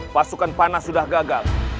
pasukan panah sudah gagal